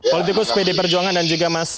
politikus pd perjuangan dan juga mas